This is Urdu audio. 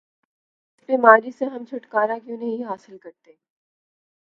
اس بیماری سے ہم چھٹکارا کیوں نہیں حاصل کرتے؟